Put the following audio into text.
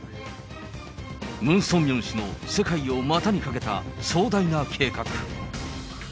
ムン・ソンミョン氏の世界をまたにかけた壮大な計画。